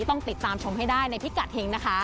ต้องติดตามชมให้ได้ในพิกัดเฮงนะคะ